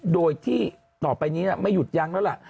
โดยที่ต่อไปนี้ไม่หยุดยั้งแล้วล่ะ